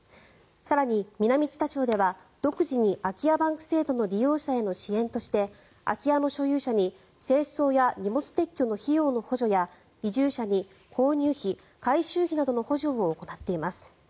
更に南知多町では独自に空き家バンク制度の利用者への支援として、空き家の所有者に清掃や荷物撤去の費用の補助や移住者に購入費、改修費などの補助を行っています。